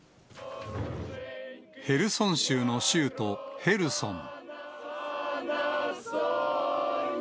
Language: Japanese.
ヘルソン州の州都ヘルソン。